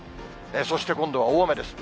そして今度は大雨です。